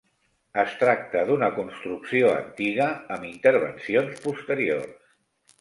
Es tracta d'una construcció antiga amb intervencions posteriors.